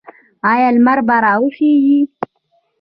آیا لمر به راوخیږي؟